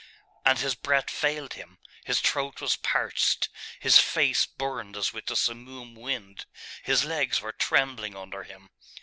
And his breath failed him, his throat was parched, his face burned as with the simoom wind, his legs were trembling under him.